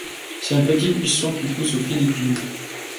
C'est un petit buisson qui pousse aux Philippines.